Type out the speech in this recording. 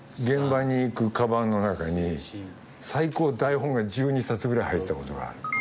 現場に行くカバンの中に最高台本が１２冊ぐらい入ってたことがある。